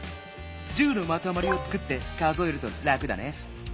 １０のまとまりをつくって数えるとラクだね。